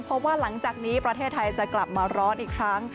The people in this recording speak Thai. เพราะว่าหลังจากนี้ประเทศไทยจะกลับมาร้อนอีกครั้ง